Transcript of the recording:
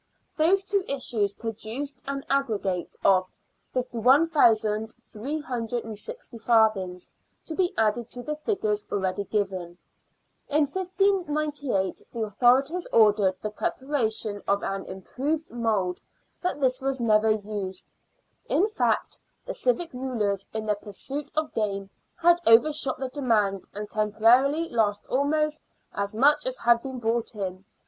Those two issues produced an aggregate of 51,360 farthings to be added to the figures already given. In 1598 the authorities ordered the preparation of an improved mould, but this was never used. In fact, the civic rulers, in their pursuit of gain, had overshot the demand, and temporarily lost almost as much as had been brought in.